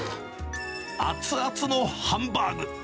熱々のハンバーグ。